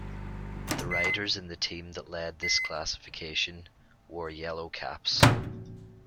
The riders in the team that lead this classification wore yellow caps.